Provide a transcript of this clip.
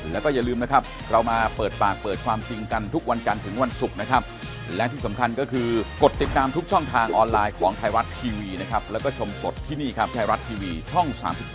เจ็ดคนนิดนิดครับอ่ะเดี๋ยวรอดูกัน